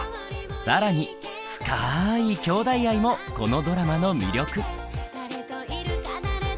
更に深いきょうだい愛もこのドラマの魅力。